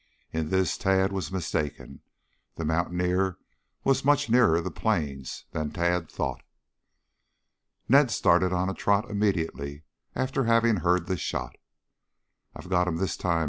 In this Tad was mistaken. The mountaineer was much nearer the plains than Tad thought. Ned started on a trot immediately after having heard the shot. "I've got him this time!"